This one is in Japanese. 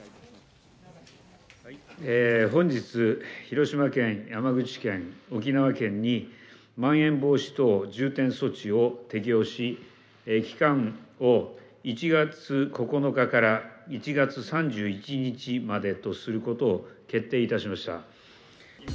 本日、広島県、山口県、沖縄県に、まん延防止等重点措置を適用し、期間を１月９日から１月３１日までとすることを決定いたしました。